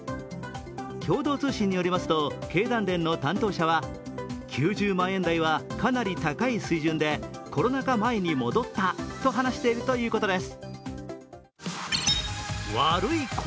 共同通信によりますと、経団連の担当者は９０万円台はかなり高い水準でコロナ禍前に戻ったと話しているということです。